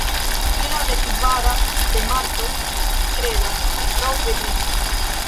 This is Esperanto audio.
"Je la dekkvara de Marto, mi kredas," li prove diris.